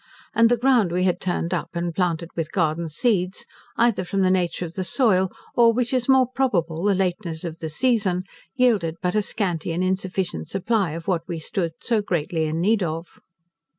And, the ground we had turned up and planted with garden seeds, either from the nature of the soil, or, which is more probable, the lateness of the season, yielded but a scanty and insufficient supply of what we stood so greatly in need of.